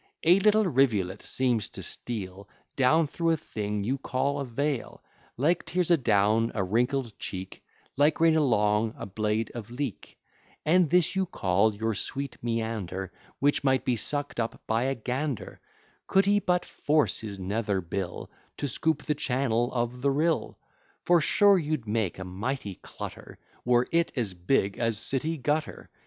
A little rivulet seems to steal Down through a thing you call a vale, Like tears adown a wrinkled cheek, Like rain along a blade of leek: And this you call your sweet meander, Which might be suck'd up by a gander, Could he but force his nether bill To scoop the channel of the rill. For sure you'd make a mighty clutter, Were it as big as city gutter.